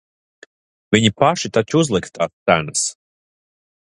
Viņi paši taču uzlika tās cenas.